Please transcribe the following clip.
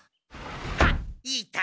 あっいた！